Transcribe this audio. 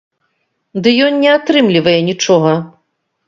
Ды ён не атрымлівае нічога.